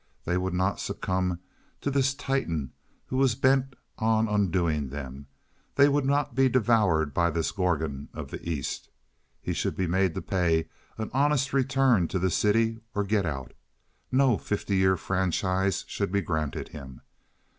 They would not succumb to this Titan who was bent on undoing them. They would not be devoured by this gorgon of the East. He should be made to pay an honest return to the city or get out. No fifty year franchise should be granted him.